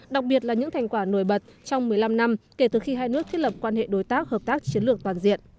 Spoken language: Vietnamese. đặc biệt là những thành quả nổi bật trong một mươi năm năm kể từ khi hai nước thiết lập quan hệ đối tác hợp tác chiến lược toàn diện